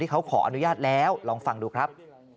เขาขออนุญาตแล้วลองฟังดูครับ